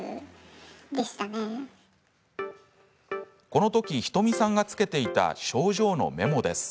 このとき、ひとみさんがつけていた症状のメモです。